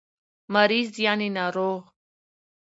مريض √ ناروغ